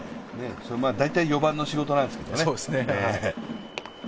大体４番の仕事なんですけどね。